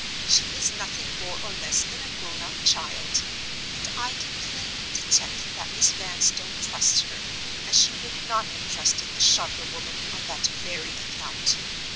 She is nothing more or less than a grown up child; and I can plainly detect that Miss Vanstone trusts her, as she would not have trusted a sharper woman, on that very account.